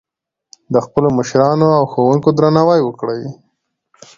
د خپلو مشرانو او ښوونکو درناوی وکړئ.